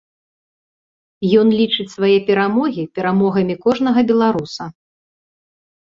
Ён лічыць свае перамогі перамогамі кожнага беларуса.